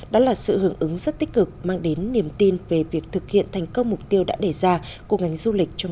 đó là sự hưởng ứng rất tích cực mang đến niềm tin về việc thực hiện thành công mục tiêu đã đề ra của ngành du lịch trong năm hai nghìn hai mươi bốn